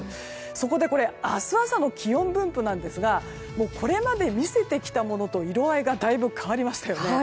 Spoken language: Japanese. そこで明日朝の気温分布なんですがこれまで見せてきたものと色合いがだいぶ変わりましたよね。